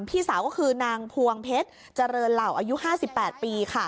พี่สาวก็คือนางพวงเพชรเจริญเหล่าอายุ๕๘ปี